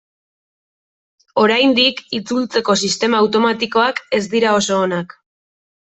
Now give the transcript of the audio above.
Oraindik itzultzeko sistema automatikoak ez dira oso onak.